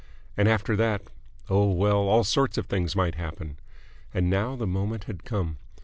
And after that oh, well, all sorts of things might happen. And now the moment had come.